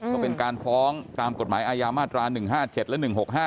ก็เป็นการฟ้องตามกฎหมายอาญามาตรา๑๕๗และ๑๖๕